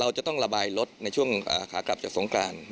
จะต้องระบายรถในช่วงขากลับจากสงกราน